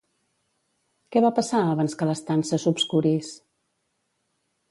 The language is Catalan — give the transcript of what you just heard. Què va passar abans que l'estança s'obscurís?